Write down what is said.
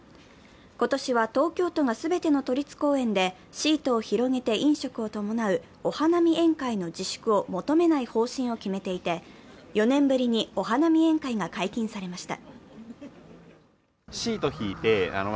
今年は東京都が全ての都立公園でシートを広げて飲食を伴うお花見宴会の自粛を求めない方針を決めていて４年ぶりにお花見宴会が解禁されました。